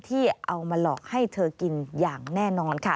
ที่เอามาหลอกให้เธอกินอย่างแน่นอนค่ะ